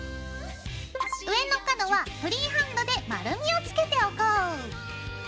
上の角はフリーハンドで丸みをつけておこう！